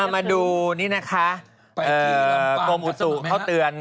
มาดูกรมอุตุเข้าเตือน